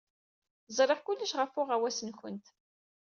Ẓriɣ kullec ɣef uɣawas-nwent.